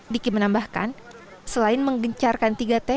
diki menambahkan selain menggencarkan tiga t